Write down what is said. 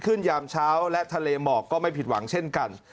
ยามเช้าและทะเลหมอกก็ไม่ผิดหวังเช่นกัน